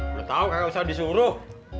udah tahu kakak usah disuruh